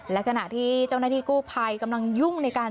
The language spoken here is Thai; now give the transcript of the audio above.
และขณะที่เจ้าหน้าที่กู้ภัยกำลังยุ่งในการ